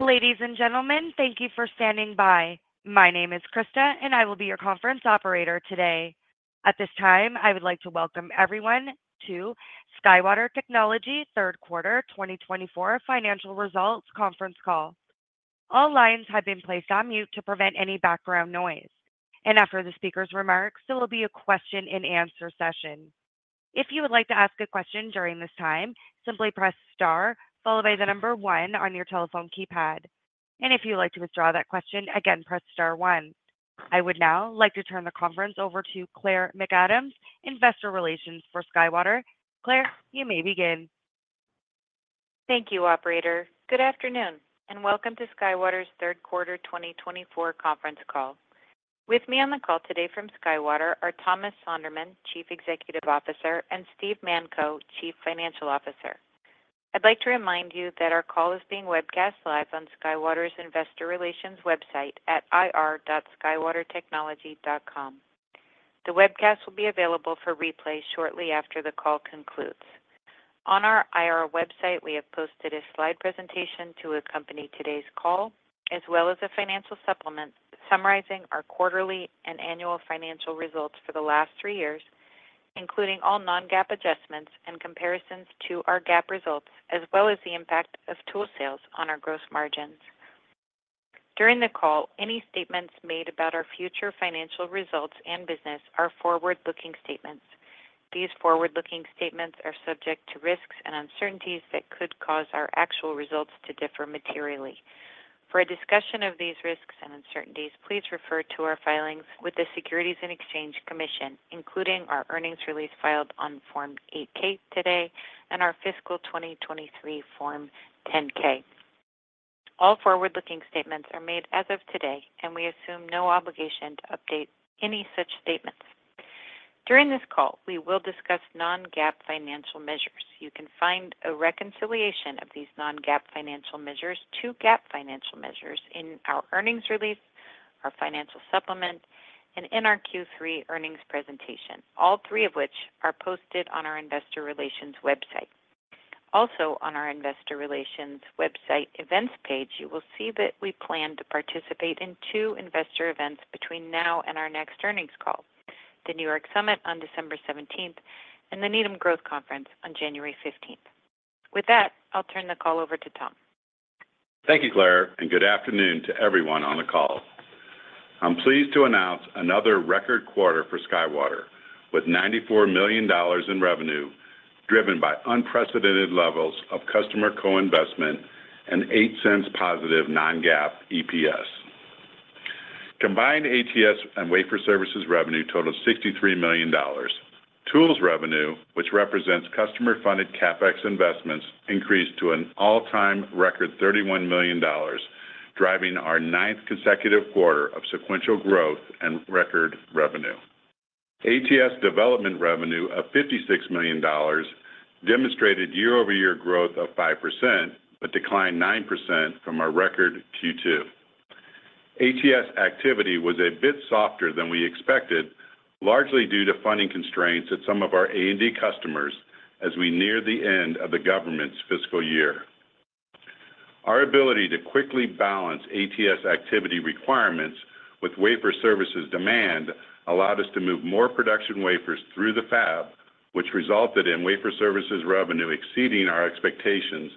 Ladies and gentlemen, thank you for standing by. My name is Krista, and I will be your conference operator today. At this time, I would like to welcome everyone to SkyWater Technology Q3 2024 Financial Results Conference Call. All lines have been placed on mute to prevent any background noise, and after the speaker's remarks, there will be a question-and-answer session. If you would like to ask a question during this time, simply press star followed by the number one on your telephone keypad, and if you'd like to withdraw that question, again, press star one. I would now like to turn the conference over to Claire McAdams, Investor Relations for SkyWater. Claire, you may begin. Thank you, Operator. Good afternoon, and welcome to SkyWater's Q3 2024 Conference call. With me on the call today from SkyWater are Thomas Sonderman, Chief Executive Officer, and Steve Manko, Chief Financial Officer. I'd like to remind you that our call is being webcast live on SkyWater's Investor Relations website at ir.skywatertechnology.com. The webcast will be available for replay shortly after the call concludes. On our IR website, we have posted a slide presentation to accompany today's call, as well as a financial supplement summarizing our quarterly and annual financial results for the last three years, including all non-GAAP adjustments and comparisons to our GAAP results, as well as the impact of tool sales on our gross margins. During the call, any statements made about our future financial results and business are forward-looking statements. These forward-looking statements are subject to risks and uncertainties that could cause our actual results to differ materially. For a discussion of these risks and uncertainties, please refer to our filings with the Securities and Exchange Commission, including our earnings release filed on Form 8-K today and our fiscal 2023 Form 10-K. All forward-looking statements are made as of today, and we assume no obligation to update any such statements. During this call, we will discuss non-GAAP financial measures. You can find a reconciliation of these non-GAAP financial measures to GAAP financial measures in our earnings release, our financial supplement, and in our Q3 earnings presentation, all three of which are posted on our Investor Relations website. Also, on our Investor Relations website events page, you will see that we plan to participate in two investor events between now and our next earnings call, the New York Summit on December 17th and the Needham Growth Conference on January 15th. With that, I'll turn the call over to Tom. Thank you, Claire, and good afternoon to everyone on the call. I'm pleased to announce another record quarter for SkyWater with $94 million in revenue driven by unprecedented levels of customer co-investment and $0.08 positive non-GAAP EPS. Combined ATS and wafer services revenue totaled $63 million. Tools revenue, which represents customer-funded CapEx investments, increased to an all-time record $31 million, driving our ninth consecutive quarter of sequential growth and record revenue. ATS development revenue of $56 million demonstrated year-over-year growth of 5% but declined 9% from our record Q2. ATS activity was a bit softer than we expected, largely due to funding constraints at some of our A&D customers as we neared the end of the government's fiscal year. Our ability to quickly balance ATS activity requirements with wafer services demand allowed us to move more production wafers through the fab, which resulted in wafer services revenue exceeding our expectations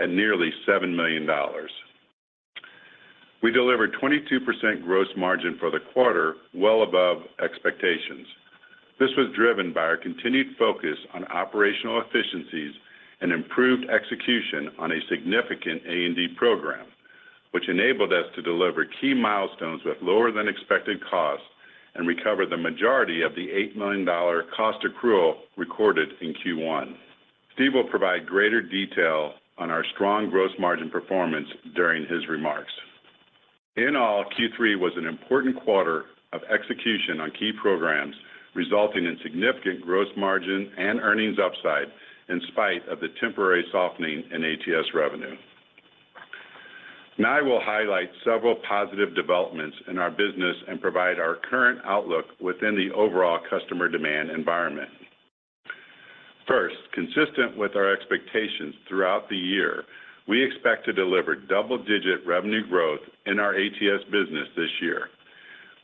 at nearly $7 million. We delivered 22% gross margin for the quarter, well above expectations. This was driven by our continued focus on operational efficiencies and improved execution on a significant A&D program, which enabled us to deliver key milestones with lower-than-expected costs and recover the majority of the $8 million cost accrual recorded in Q1. Steve will provide greater detail on our strong gross margin performance during his remarks. In all, Q3 was an important quarter of execution on key programs, resulting in significant gross margin and earnings upside in spite of the temporary softening in ATS revenue. Now, I will highlight several positive developments in our business and provide our current outlook within the overall customer demand environment. First, consistent with our expectations throughout the year, we expect to deliver double-digit revenue growth in our ATS business this year.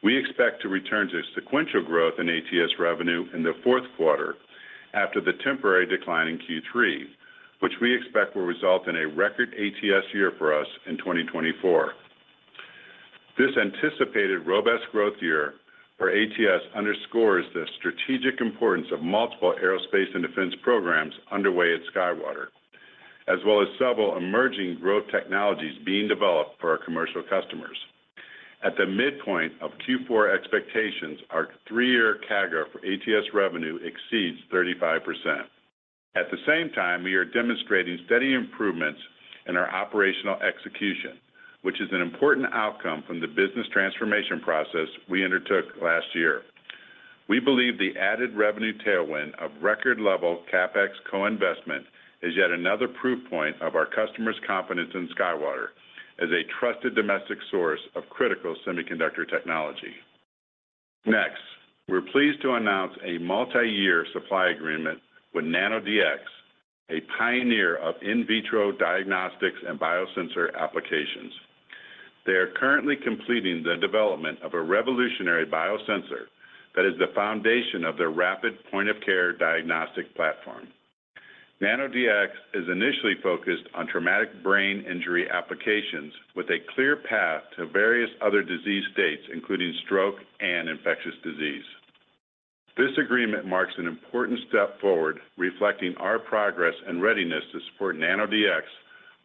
We expect to return to sequential growth in ATS revenue in the Q4 after the temporary decline in Q3, which we expect will result in a record ATS year for us in 2024. This anticipated robust growth year for ATS underscores the strategic importance of multiple aerospace and defense programs underway at SkyWater, as well as several emerging growth technologies being developed for our commercial customers. At the midpoint of Q4 expectations, our three-year CAGR for ATS revenue exceeds 35%. At the same time, we are demonstrating steady improvements in our operational execution, which is an important outcome from the business transformation process we undertook last year. We believe the added revenue tailwind of record-level CapEx co-investment is yet another proof point of our customers' confidence in SkyWater as a trusted domestic source of critical semiconductor technology. Next, we're pleased to announce a multi-year supply agreement with NanoDx, a pioneer of in vitro diagnostics and biosensor applications. They are currently completing the development of a revolutionary biosensor that is the foundation of their rapid point-of-care diagnostic platform. NanoDx is initially focused on traumatic brain injury applications with a clear path to various other disease states, including stroke and infectious disease. This agreement marks an important step forward, reflecting our progress and readiness to support NanoDx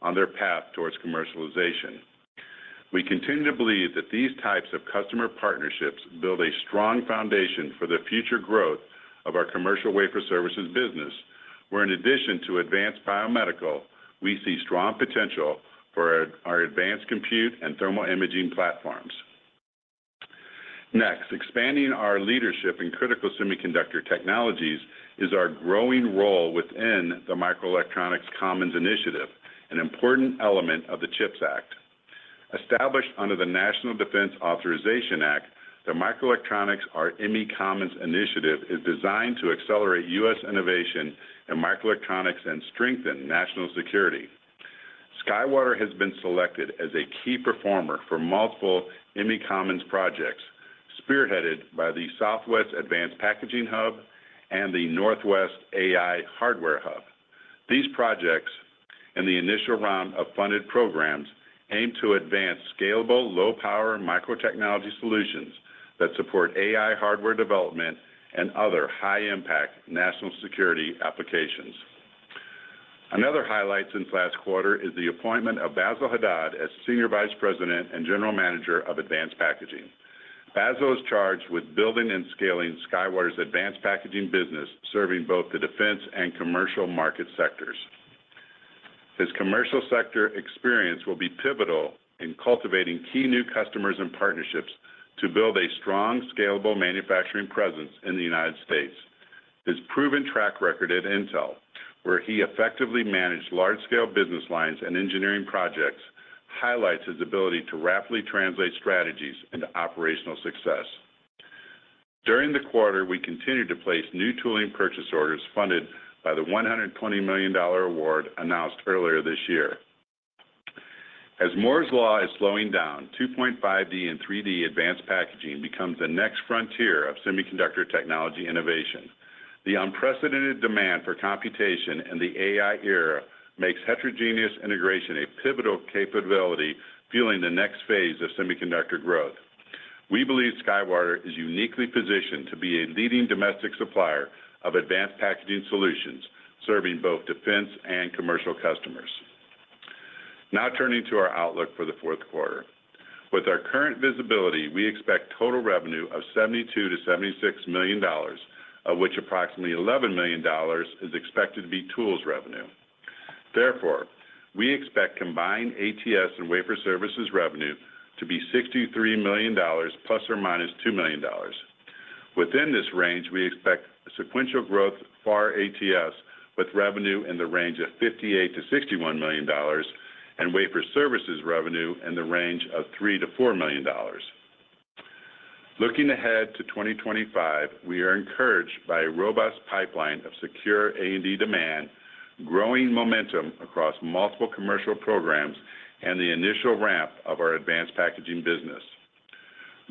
on their path towards commercialization. We continue to believe that these types of customer partnerships build a strong foundation for the future growth of our commercial wafer services business, where in addition to advanced biomedical, we see strong potential for our advanced compute and thermal imaging platforms. Next, expanding our leadership in critical semiconductor technologies is our growing role within the Microelectronics Commons Initiative, an important element of the CHIPS Act. Established under the National Defense Authorization Act, the Microelectronics Commons, or ME Commons, Initiative is designed to accelerate U.S. innovation in microelectronics and strengthen national security. SkyWater has been selected as a key performer for multiple ME Commons projects spearheaded by the Southwest Advanced Packaging Hub and the Northwest AI Hardware Hub. These projects and the initial round of funded programs aim to advance scalable, low-power microtechnology solutions that support AI hardware development and other high-impact national security applications. Another highlight in the last quarter is the appointment of Basil Haddad as Senior Vice President and General Manager of Advanced Packaging. Basil is charged with building and scaling SkyWater's advanced packaging business, serving both the defense and commercial market sectors. His commercial sector experience will be pivotal in cultivating key new customers and partnerships to build a strong, scalable manufacturing presence in the United States. His proven track record at Intel, where he effectively managed large-scale business lines and engineering projects, highlights his ability to rapidly translate strategies into operational success. During the quarter, we continue to place new tooling purchase orders funded by the $120 million award announced earlier this year. As Moore's Law is slowing down, 2.5D and 3D advanced packaging becomes the next frontier of semiconductor technology innovation. The unprecedented demand for computation in the AI era makes heterogeneous integration a pivotal capability, fueling the next phase of semiconductor growth. We believe SkyWater is uniquely positioned to be a leading domestic supplier of advanced packaging solutions, serving both defense and commercial customers. Now, turning to our outlook for the Q4. With our current visibility, we expect total revenue of $72 to $76 million, of which approximately $11 million is expected to be tools revenue. Therefore, we expect combined ATS and wafer services revenue to be $63 million, plus or minus $2 million. Within this range, we expect sequential growth for ATS with revenue in the range of $58 to $61 million and wafer services revenue in the range of $3 to $4 million. Looking ahead to 2025, we are encouraged by a robust pipeline of secure A&D demand, growing momentum across multiple commercial programs, and the initial ramp of our advanced packaging business.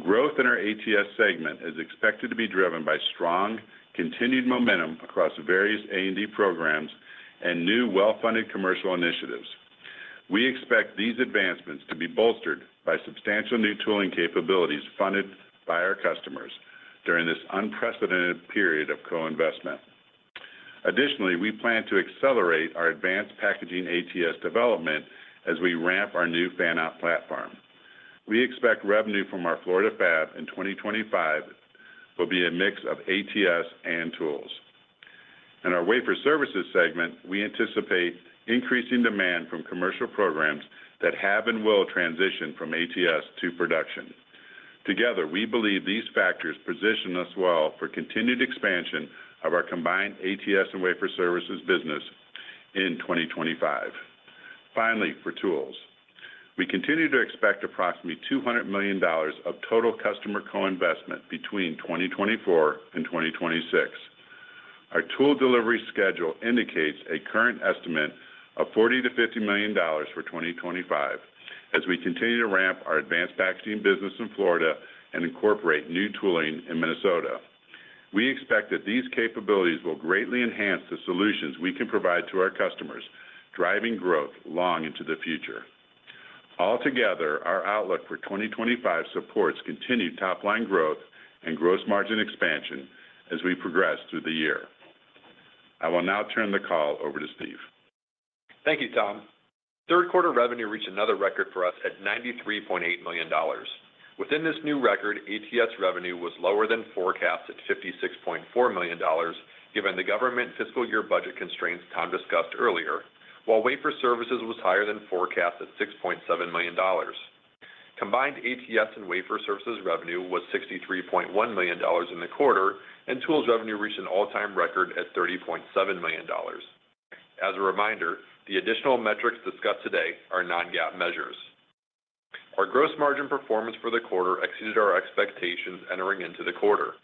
Growth in our ATS segment is expected to be driven by strong, continued momentum across various A&D programs and new well-funded commercial initiatives. We expect these advancements to be bolstered by substantial new tooling capabilities funded by our customers during this unprecedented period of co-investment. Additionally, we plan to accelerate our advanced packaging ATS development as we ramp our new fan-out platform. We expect revenue from our Florida fab in 2025 will be a mix of ATS and tools. In our wafer services segment, we anticipate increasing demand from commercial programs that have and will transition from ATS to production. Together, we believe these factors position us well for continued expansion of our combined ATS and wafer services business in 2025. Finally, for tools, we continue to expect approximately $200 million of total customer co-investment between 2024 and 2026. Our tool delivery schedule indicates a current estimate of $40 to $50 million for 2025 as we continue to ramp our advanced packaging business in Florida and incorporate new tooling in Minnesota. We expect that these capabilities will greatly enhance the solutions we can provide to our customers, driving growth long into the future. Altogether, our outlook for 2025 supports continued top-line growth and gross margin expansion as we progress through the year. I will now turn the call over to Steve. Thank you, Tom. Q3 revenue reached another record for us at $93.8 million. Within this new record, ATS revenue was lower than forecast at $56.4 million, given the government fiscal year budget constraints Tom discussed earlier, while wafer services was higher than forecast at $6.7 million. Combined ATS and wafer services revenue was $63.1 million in the quarter, and tools revenue reached an all-time record at $30.7 million. As a reminder, the additional metrics discussed today are non-GAAP measures. Our gross margin performance for the quarter exceeded our expectations entering into the quarter.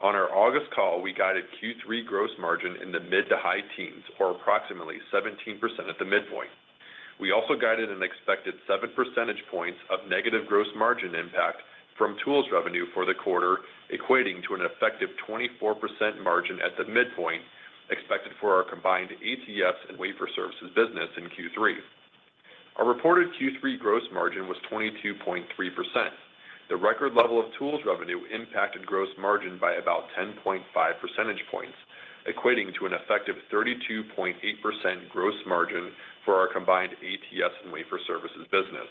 On our August call, we guided Q3 gross margin in the mid to high teens, or approximately 17% at the midpoint. We also guided an expected 7 percentage points of negative gross margin impact from tools revenue for the quarter, equating to an effective 24% margin at the midpoint expected for our combined ATS and wafer services business in Q3. Our reported Q3 gross margin was 22.3%. The record level of tools revenue impacted gross margin by about 10.5 percentage points, equating to an effective 32.8% gross margin for our combined ATS and wafer services business.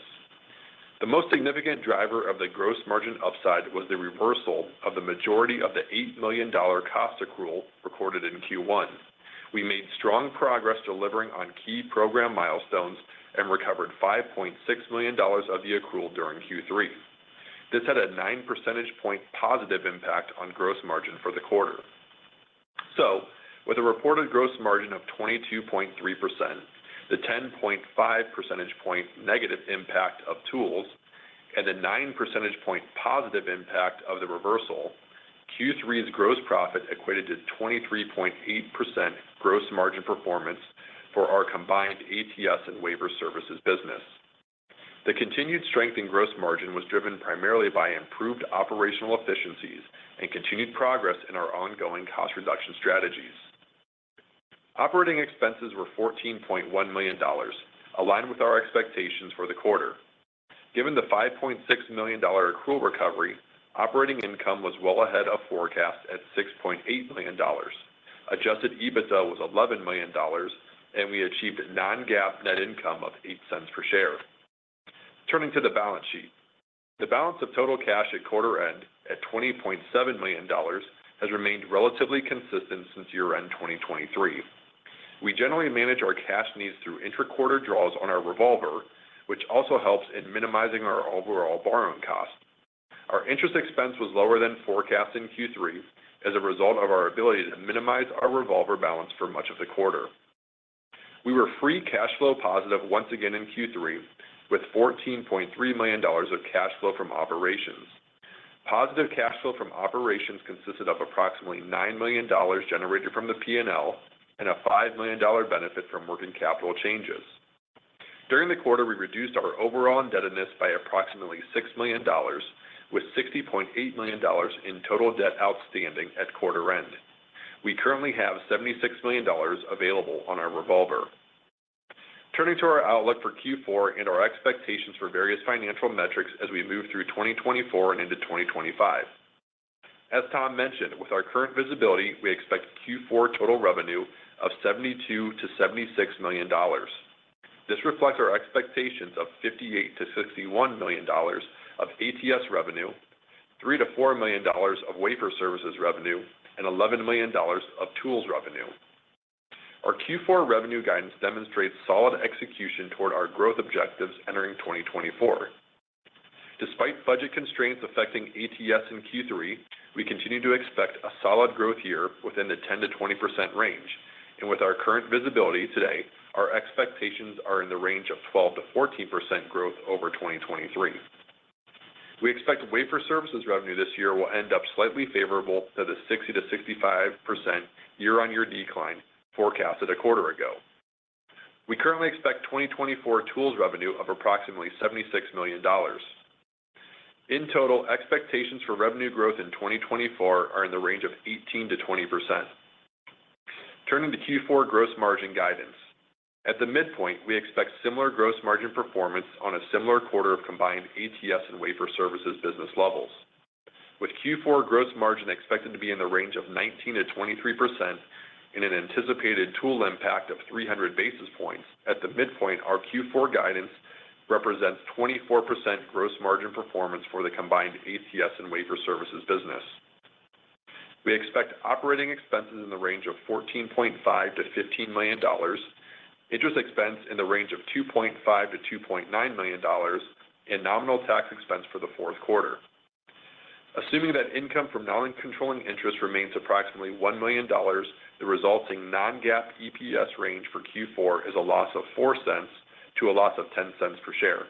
The most significant driver of the gross margin upside was the reversal of the majority of the $8 million cost accrual recorded in Q1. We made strong progress delivering on key program milestones and recovered $5.6 million of the accrual during Q3. This had a 9 percentage point positive impact on gross margin for the quarter. With a reported gross margin of 22.3%, the 10.5 percentage point negative impact of tools, and the 9 percentage point positive impact of the reversal, Q3's gross profit equated to 23.8% gross margin performance for our combined ATS and wafer services business. The continued strength in gross margin was driven primarily by improved operational efficiencies and continued progress in our ongoing cost reduction strategies. Operating expenses were $14.1 million, aligned with our expectations for the quarter. Given the $5.6 million accrual recovery, operating income was well ahead of forecast at $6.8 million. Adjusted EBITDA was $11 million, and we achieved non-GAAP net income of $0.08 per share. Turning to the balance sheet, the balance of total cash at quarter end at $20.7 million has remained relatively consistent since year-end 2023. We generally manage our cash needs through interquarter draws on our revolver, which also helps in minimizing our overall borrowing cost. Our interest expense was lower than forecast in Q3 as a result of our ability to minimize our revolver balance for much of the quarter. We were free cash flow positive once again in Q3, with $14.3 million of cash flow from operations. Positive cash flow from operations consisted of approximately $9 million generated from the P&L and a $5 million benefit from working capital changes. During the quarter, we reduced our overall indebtedness by approximately $6 million, with $60.8 million in total debt outstanding at quarter end. We currently have $76 million available on our revolver. Turning to our outlook for Q4 and our expectations for various financial metrics as we move through 2024 and into 2025. As Tom mentioned, with our current visibility, we expect Q4 total revenue of $72 to $76 million. This reflects our expectations of $58-$61 million of ATS revenue, $3-$4 million of wafer services revenue, and $11 million of tools revenue. Our Q4 revenue guidance demonstrates solid execution toward our growth objectives entering 2024. Despite budget constraints affecting ATS in Q3, we continue to expect a solid growth year within the 10%-20% range, and with our current visibility today, our expectations are in the range of 12% to 14% growth over 2023. We expect wafer services revenue this year will end up slightly favorable to the 60%-65% year-on-year decline forecasted a quarter ago. We currently expect 2024 tools revenue of approximately $76 million. In total, expectations for revenue growth in 2024 are in the range of 18% to 20%. Turning to Q4 gross margin guidance, at the midpoint, we expect similar gross margin performance on a similar quarter of combined ATS and wafer services business levels. With Q4 gross margin expected to be in the range of 19% to 23% and an anticipated tool impact of 300 basis points, at the midpoint, our Q4 guidance represents 24% gross margin performance for the combined ATS and wafer services business. We expect operating expenses in the range of $14.5-$15 million, interest expense in the range of $2.5 to $2.9 million, and nominal tax expense for the Q4. Assuming that income from non-controlling interest remains approximately $1 million, the resulting non-GAAP EPS range for Q4 is a loss of $0.04 to $0.10 per share.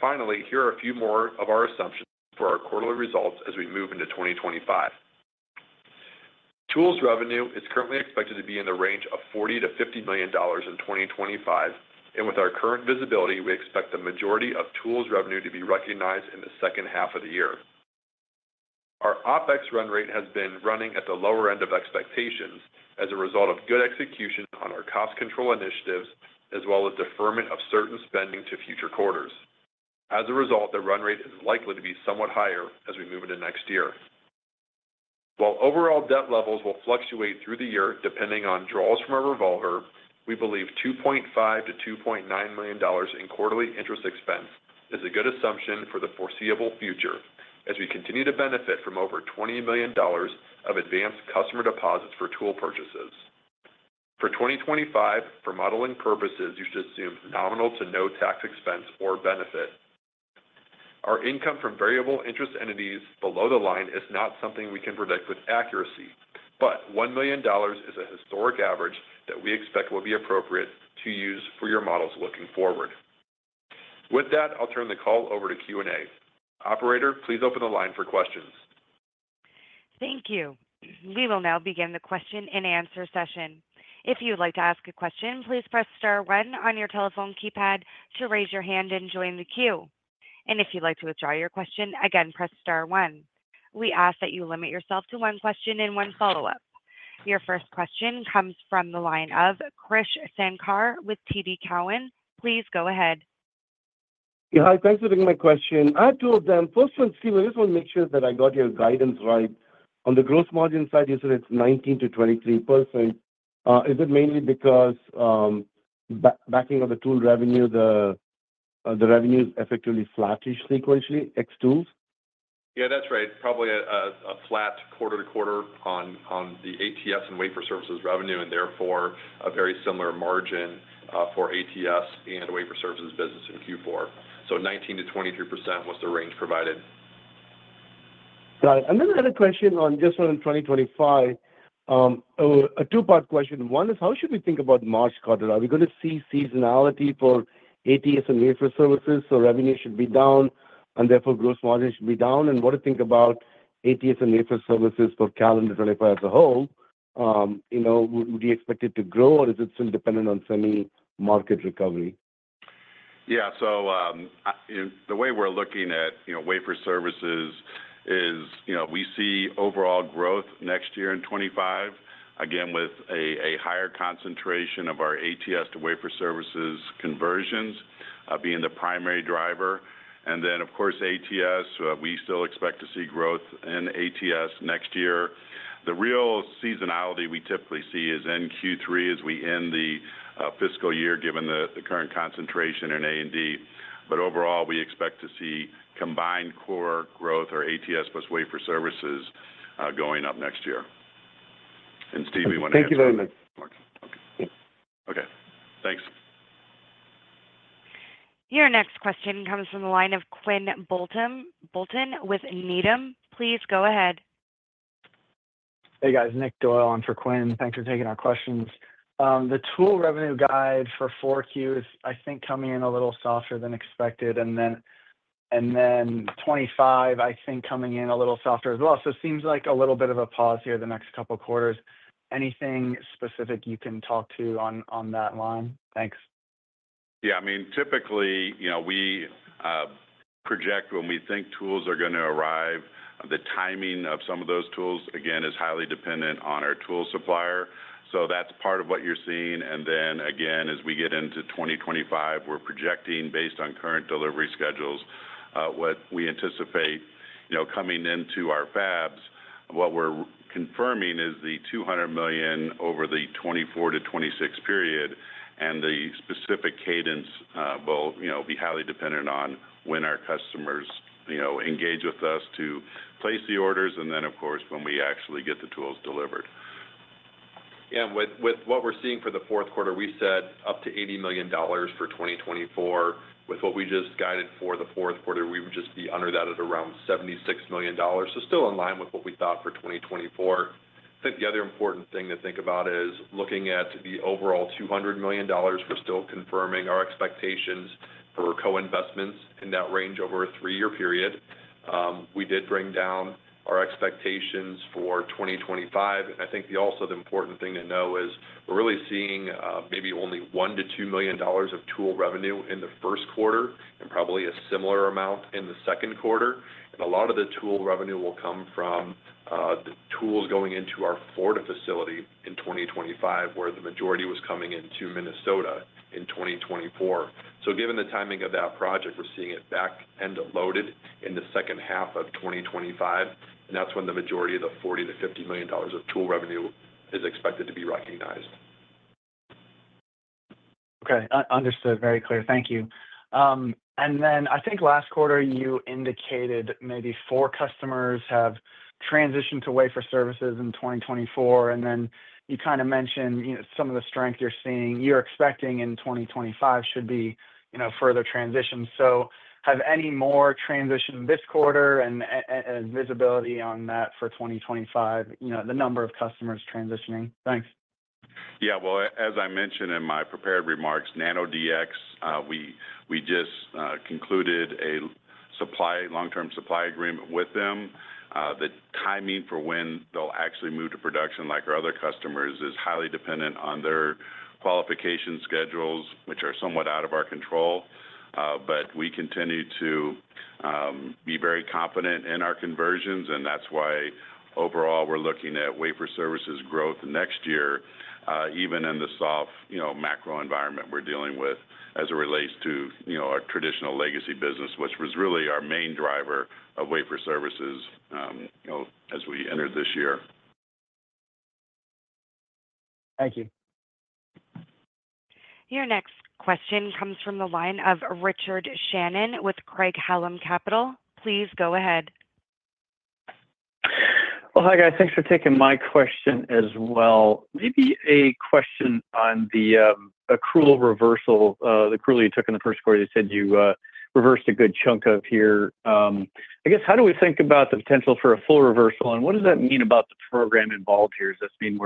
Finally, here are a few more of our assumptions for our quarterly results as we move into 2025. Tools revenue is currently expected to be in the range of $40 to $50 million in 2025. And with our current visibility, we expect the majority of tools revenue to be recognized in the second half of the year. Our OpEx run rate has been running at the lower end of expectations as a result of good execution on our cost control initiatives, as well as deferment of certain spending to future quarters. As a result, the run rate is likely to be somewhat higher as we move into next year. While overall debt levels will fluctuate through the year depending on draws from our revolver, we believe $2.5 to $2.9 million in quarterly interest expense is a good assumption for the foreseeable future as we continue to benefit from over $20 million of advanced customer deposits for tool purchases. For 2025, for modeling purposes, you should assume nominal to no tax expense or benefit. Our income from variable interest entities below the line is not something we can predict with accuracy, but $1 million is a historic average that we expect will be appropriate to use for your models looking forward. With that, I'll turn the call over to Q&A. Operator, please open the line for questions. Thank you. We will now begin the question and answer session. If you would like to ask a question, please press star one on your telephone keypad to raise your hand and join the queue, and if you'd like to withdraw your question, again, press star one. We ask that you limit yourself to one question and one follow-up. Your first question comes from the line of Krish Sankar with TD Cowen. Please go ahead. Yeah, hi. Thanks for taking my question. Hi Tom, first, Steve, I just want to make sure that I got your guidance right. On the gross margin side, you said it's 19% to 23%. Is it mainly because of the tool revenue, the revenue is effectively flattish sequentially ex tools? Yeah, that's right. Probably a flat quarter to quarter on the ATS and wafer services revenue, and therefore a very similar margin for ATS and wafer services business in Q4. So 19% to 23% was the range provided. Got it. And then I had a question on just on 2025. A two-part question. One is, how should we think about March quarter? Are we going to see seasonality for ATS and wafer services? So revenue should be down, and therefore gross margin should be down. And what do you think about ATS and wafer services for calendar 2025 as a whole? Would you expect it to grow, or is it still dependent on semi-market recovery? Yeah. So the way we're looking at wafer services is we see overall growth next year in 2025, again, with a higher concentration of our ATS to wafer services conversions being the primary driver. And then, of course, ATS, we still expect to see growth in ATS next year. The real seasonality we typically see is in Q3 as we end the fiscal year, given the current concentration in A&D. But overall, we expect to see combined core growth, or ATS plus wafer services, going up next year. And Steve, we want to ask you something. Thank you very much. Okay. Thanks. Your next question comes from the line of Quinn Bolton with Needham. Please go ahead. Hey, guys. Nick Doyle on for Quinn. Thanks for taking our questions. The tool revenue guide for Q4 is, I think, coming in a little softer than expected. And then 2025, I think, coming in a little softer as well. So it seems like a little bit of a pause here the next couple of quarters. Anything specific you can talk to on that line? Thanks. Yeah. I mean, typically, we project when we think tools are going to arrive, the timing of some of those tools, again, is highly dependent on our tool supplier. So that's part of what you're seeing. And then, again, as we get into 2025, we're projecting based on current delivery schedules. What we anticipate coming into our fabs, what we're confirming is the $200 million over the 2024 to 2026 period. And the specific cadence will be highly dependent on when our customers engage with us to place the orders, and then, of course, when we actually get the tools delivered. Yeah. With what we're seeing for the Q4, we said up to $80 million for 2024. With what we just guided for the Q4, we would just be under that at around $76 million. So still in line with what we thought for 2024. I think the other important thing to think about is looking at the overall $200 million. We're still confirming our expectations for co-investments in that range over a three-year period. We did bring down our expectations for 2025. And I think also the important thing to know is we're really seeing maybe only $1-$2 million of tool revenue in the Q1 and probably a similar amount in the Q2. And a lot of the tool revenue will come from the tools going into our Florida facility in 2025, where the majority was coming into Minnesota in 2024. Given the timing of that project, we're seeing it back and loaded in the second half of 2025. And that's when the majority of the $40 to $50 million of tool revenue is expected to be recognized. Okay. Understood. Very clear. Thank you. And then I think last quarter, you indicated maybe four customers have transitioned to wafer services in 2024. And then you kind of mentioned some of the strength you're seeing. You're expecting in 2025 should be further transitions. So have any more transition this quarter and visibility on that for 2025, the number of customers transitioning? Thanks. Yeah. Well, as I mentioned in my prepared remarks, NanoDx, we just concluded a long-term supply agreement with them. The timing for when they'll actually move to production, like our other customers, is highly dependent on their qualification schedules, which are somewhat out of our control. But we continue to be very confident in our conversions. And that's why overall we're looking at wafer services growth next year, even in the soft macro environment we're dealing with as it relates to our traditional legacy business, which was really our main driver of wafer services as we entered this year. Thank you. Your next question comes from the line of Richard Shannon with Craig-Hallum Capital Group. Please go ahead. Hi, guys. Thanks for taking my question as well. Maybe a question on the accrual reversal. The accrual you took in the Q1, you said you reversed a good chunk of here. I guess, how do we think about the potential for a full reversal? And what does that mean about the program involved here? Does this mean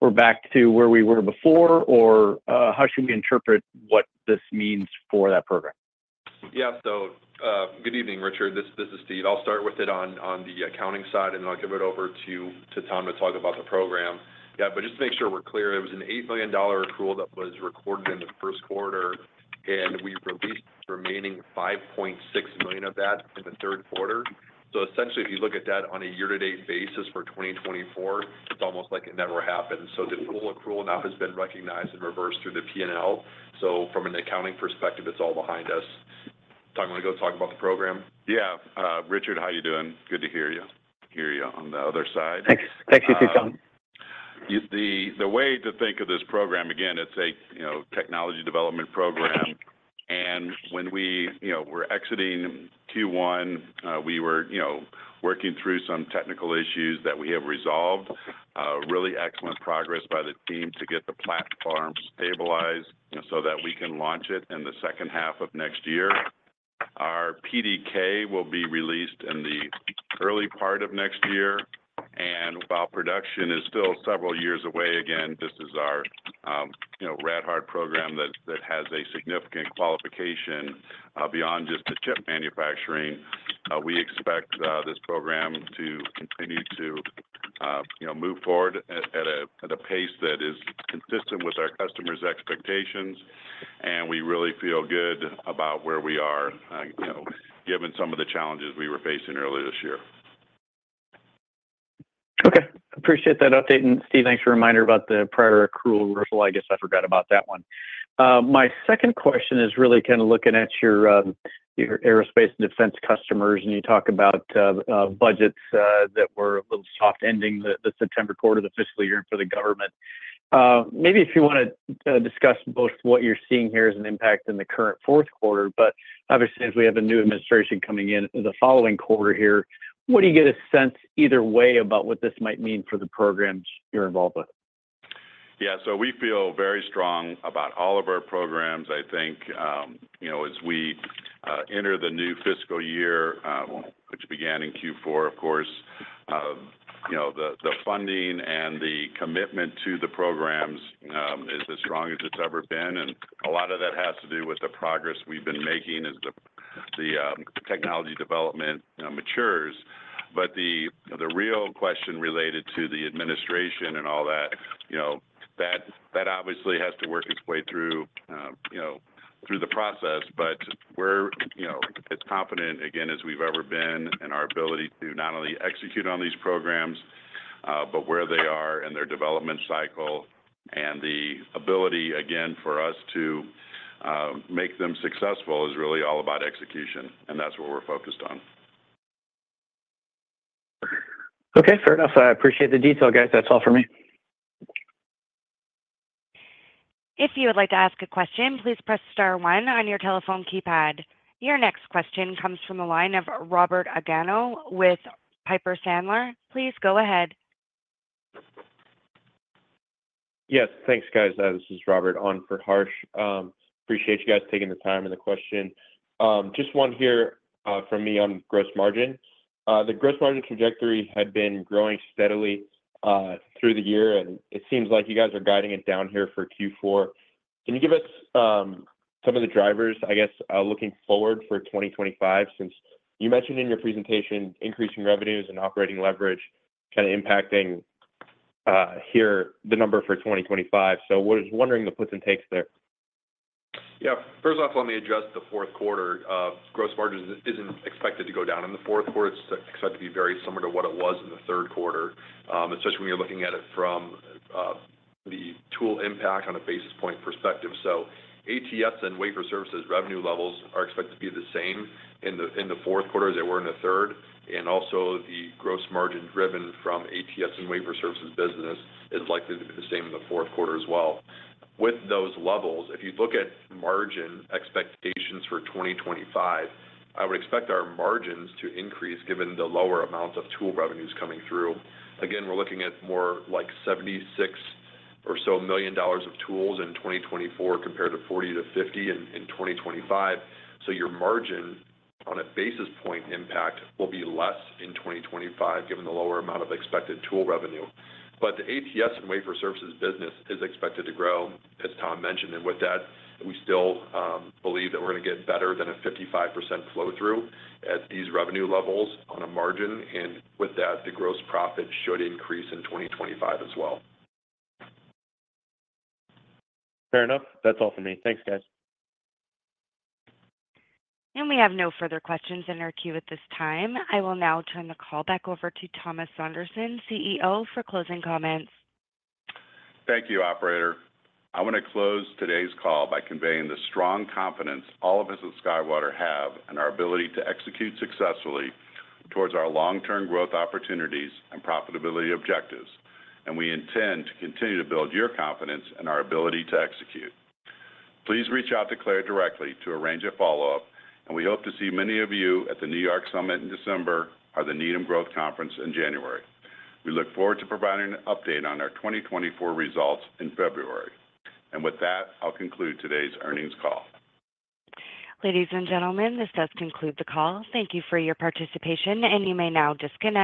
we're back to where we were before, or how should we interpret what this means for that program? Yeah. So good evening, Richard. This is Steve. I'll start with it on the accounting side, and then I'll give it over to Tom to talk about the program. Yeah. But just to make sure we're clear, it was an $8 million accrual that was recorded in the Q1, and we released the remaining $5.6 million of that in the Q3. So essentially, if you look at that on a year-to-date basis for 2024, it's almost like it never happened. So the full accrual now has been recognized and reversed through the P&L. So from an accounting perspective, it's all behind us. Tom, you want to go talk about the program? Yeah. Richard, how are you doing? Good to hear you. Hear you on the other side. Thanks. Thanks to you too, Tom. The way to think of this program, again, it's a technology development program. And when we were exiting Q1, we were working through some technical issues that we have resolved. Really excellent progress by the team to get the platform stabilized so that we can launch it in the second half of next year. Our PDK will be released in the early part of next year. And while production is still several years away, again, this is our rad-hard program that has a significant qualification beyond just the chip manufacturing. We expect this program to continue to move forward at a pace that is consistent with our customers' expectations. And we really feel good about where we are, given some of the challenges we were facing earlier this year. Okay. Appreciate that update. And Steve, thanks for reminding about the prior accrual reversal. I guess I forgot about that one. My second question is really kind of looking at your aerospace and defense customers, and you talk about budgets that were a little soft ending the September quarter of the fiscal year for the government. Maybe if you want to discuss both what you're seeing here as an impact in the current Q4, but obviously, as we have a new administration coming in the following quarter here, what do you get a sense either way about what this might mean for the programs you're involved with? Yeah. So we feel very strong about all of our programs. I think as we enter the new fiscal year, which began in Q4, of course, the funding and the commitment to the programs is as strong as it's ever been. And a lot of that has to do with the progress we've been making as the technology development matures. But the real question related to the administration and all that, that obviously has to work its way through the process. But we're as confident, again, as we've ever been in our ability to not only execute on these programs, but where they are in their development cycle. And the ability, again, for us to make them successful is really all about execution. And that's what we're focused on. Okay. Fair enough. I appreciate the detail, guys. That's all for me. If you would like to ask a question, please press star one on your telephone keypad. Your next question comes from the line of Robert Aguanno with Piper Sandler. Please go ahead. Yes. Thanks, guys. This is Robert on for Harsh. Appreciate you guys taking the time and the question. Just one here from me on gross margin. The gross margin trajectory had been growing steadily through the year, and it seems like you guys are guiding it down here for Q4. Can you give us some of the drivers, I guess, looking forward for 2025, since you mentioned in your presentation increasing revenues and operating leverage kind of impacting here the number for 2025? So I was wondering the puts and takes there. Yeah. First off, let me address the Q4. Gross margin isn't expected to go down in the Q4. It's expected to be very similar to what it was in the Q3, especially when you're looking at it from the tool impact on a basis point perspective. So ATS and wafer services revenue levels are expected to be the same in the Q4 as they were in the third, and also, the gross margin driven from ATS and wafer services business is likely to be the same in the Q4 as well. With those levels, if you look at margin expectations for 2025, I would expect our margins to increase given the lower amount of tool revenues coming through. Again, we're looking at more like $76 or so million of tools in 2024 compared to $40 to $50 in 2025. So your margin on a basis point impact will be less in 2025 given the lower amount of expected tool revenue. But the ATS and wafer services business is expected to grow, as Tom mentioned. And with that, we still believe that we're going to get better than a 55% flow-through at these revenue levels on a margin. And with that, the gross profit should increase in 2025 as well. Fair enough. That's all for me. Thanks, guys. And we have no further questions in our queue at this time. I will now turn the call back over to Thomas Sonderman, CEO, for closing comments. Thank you, operator. I want to close today's call by conveying the strong confidence all of us at SkyWater have in our ability to execute successfully towards our long-term growth opportunities and profitability objectives. And we intend to continue to build your confidence in our ability to execute. Please reach out to Claire directly to arrange a follow-up. And we hope to see many of you at the New York Summit in December or the Needham Growth Conference in January. We look forward to providing an update on our 2024 results in February. And with that, I'll conclude today's earnings call. Ladies and gentlemen, this does conclude the call. Thank you for your participation. And you may now disconnect.